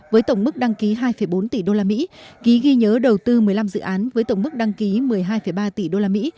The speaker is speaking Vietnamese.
với tổng mức đăng ký hai bốn tỷ usd ký ghi nhớ đầu tư một mươi năm dự án với tổng mức đăng ký một mươi hai ba tỷ usd